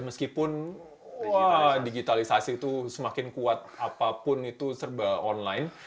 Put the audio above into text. meskipun digitalisasi itu semakin kuat apapun itu serba online